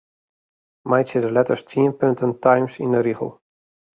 Meitsje de letters tsien punten Times yn 'e rigel.